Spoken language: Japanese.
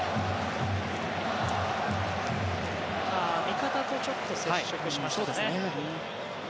味方とちょっと接触しましたね。